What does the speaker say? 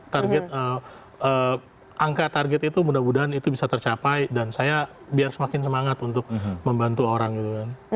target angka target itu mudah mudahan itu bisa tercapai dan saya biar semakin semangat untuk membantu orang gitu kan